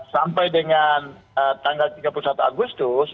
sampai dengan tanggal tiga puluh satu agustus